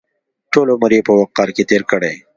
ټول عمر یې په وقار کې تېر کړی.